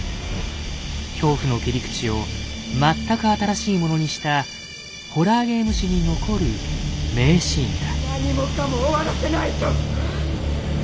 恐怖の切り口を全く新しいものにしたホラーゲーム史に残る名シーンだ。